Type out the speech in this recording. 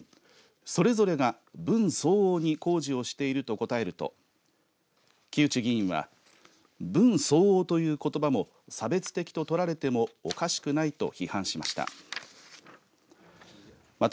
それぞれが分相応に工事をしていると答えると木内議員は分相応ということばも差別的と取られてもおかしくないと批判しました。